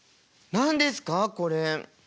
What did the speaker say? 何ですかこれ？